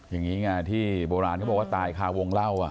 อย่างนี้ไงที่โบราณเขาบอกว่าตายคาวงเล่า